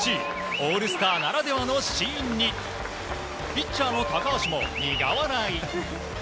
オールスターならではのシーンにピッチャーの高橋も苦笑い。